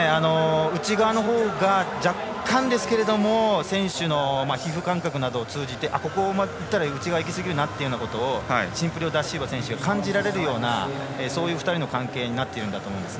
内側のほうが若干ですけれども選手の皮膚感覚などを通じてここぴったり内側に行き過ぎるなということをシンプリシオダシウバ選手が感じられるようなそういう２人の関係になっているんだと思います。